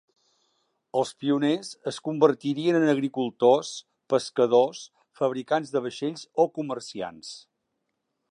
Els pioners es convertirien en agricultors, pescadors, fabricants de vaixells o comerciants.